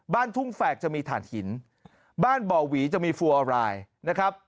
บ้านทุ่งแฝกจะมีฐานหินบ้านบ่อหวีจะมีฟัวรายนะครับ